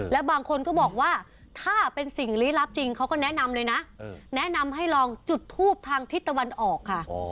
แล้วบางคนก็บอกว่าถ้าเป็นสิ่งลี้ลับจริงเขาก็แนะนำเลยนะแนะนำให้ลองจุดทูบทางทิศตะวันออกค่ะ